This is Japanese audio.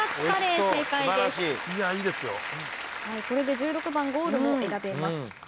これで１６番ゴールも選べます。